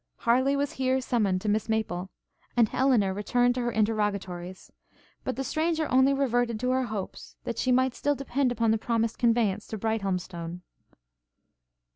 Harleigh was here summoned to Miss Maple, and Elinor returned to her interrogatories; but the stranger only reverted to her hopes, that she might still depend upon the promised conveyance to Brighthelmstone?